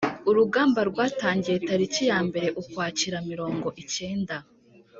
Urugamba rwatangiye Tariki ya mbere Ukwakira mirongo icyenda